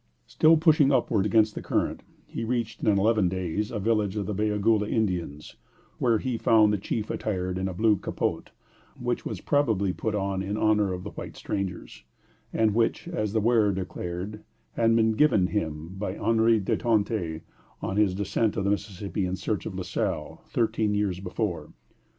Still pushing upward against the current, he reached in eleven days a village of the Bayagoula Indians, where he found the chief attired in a blue capote, which was probably put on in honor of the white strangers, and which, as the wearer declared, had been given him by Henri de Tonty, on his descent of the Mississippi in search of La Salle, thirteen years before.